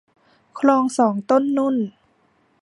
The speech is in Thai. คลองสองต้นนุ่น